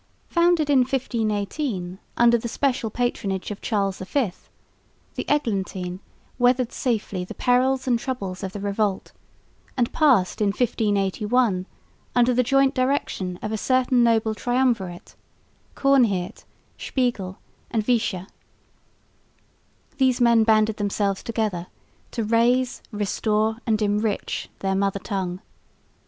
Founded in 1518 under the special patronage of Charles V, the "Eglantine" weathered safely the perils and troubles of the Revolt, and passed in 1581 under the joint direction of a certain notable triumvirate, Coornheert, Spiegel and Visscher. These men banded themselves together "to raise, restore and enrich" their mother tongue.